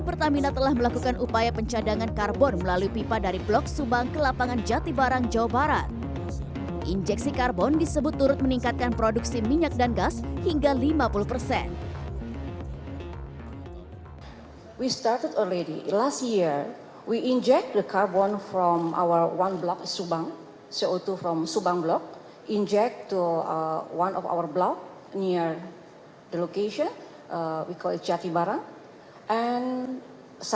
pertamina menjelaskan upayanya mencapai energi bersih penting dilakukan pertamina harus memastikan ketahanan energi nasional menjadi prioritas